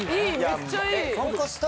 めっちゃいい！